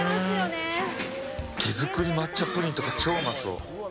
手作り抹茶プリンとか超うまそう。